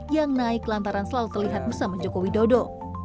yang naik lantaran selalu terlihat bersama jokowi dodo